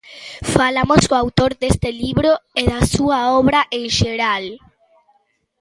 Falamos co autor deste libro e da súa obra en xeral.